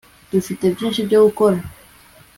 dufite byinshi byo gukora